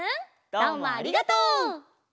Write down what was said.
どうもありがとう！